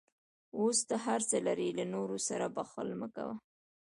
اوس ته هر څه لرې، له نورو سره بخل مه کوه.